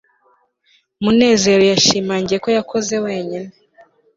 munezero yashimangiye ko yakoze wenyine